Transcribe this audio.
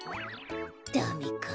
ダメか。